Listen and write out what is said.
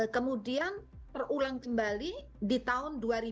kemudian terulang kembali di tahun dua ribu dua